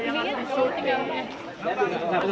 terima kasih terima kasih